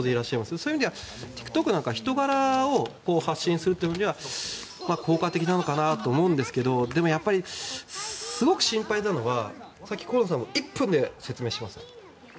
そういう意味ではＴｉｋＴｏｋなんか人柄を発信するという意味では効果的なのかなと思うんですがでもやっぱり、すごく心配なのはさっき河野さんも１分で説明しますと。